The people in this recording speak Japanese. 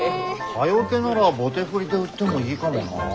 蚊よけなら棒手振で売ってもいいかもな。